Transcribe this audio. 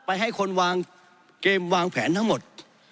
ให้คนวางเกมวางแผนทั้งหมด